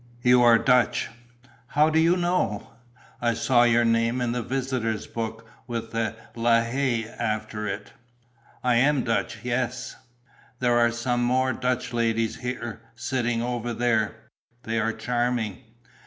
"You are Dutch?" "How do you know?" "I saw your name in the visitors' book, with 'la Haye' after it." "I am Dutch, yes." "There are some more Dutch ladies here, sitting over there: they are charming."